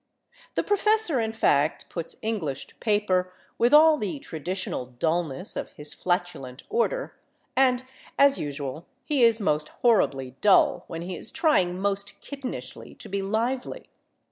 The professor, in fact, puts English to paper with all the traditional dullness of his flatulent order, and, as usual, he is most horribly dull when he is trying most kittenishly to be lively.